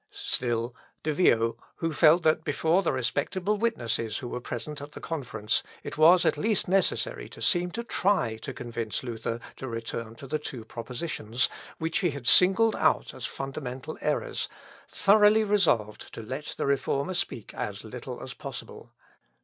Still De Vio, who felt that before the respectable witnesses who were present at the conference it was at least necessary to seem to try to convince Luther to return to the two propositions, which he had singled out as fundamental errors, thoroughly resolved to let the Reformer speak as little as possible.